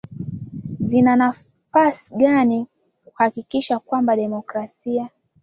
zina nafasi gani kuhakikisha kwamba demokrasia